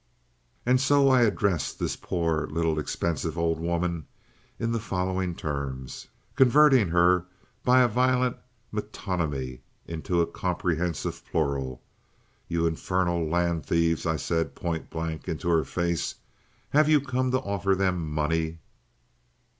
And so I addressed this poor little expensive old woman in the following terms, converting her by a violent metonymy into a comprehensive plural. "You infernal land thieves!" I said point blank into her face. "_Have you come to offer them money?